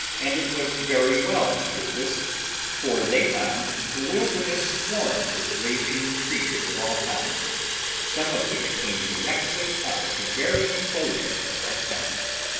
And it was very well we did this, for they found the wilderness swarmed with raging creatures of all kinds, some of which came directly up to the very enclosure of our tent.